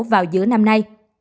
vào giữa năm nay